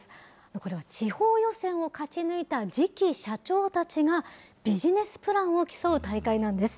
これは地方予選を勝ち抜いた次期社長たちが、ビジネスプランを競う大会なんです。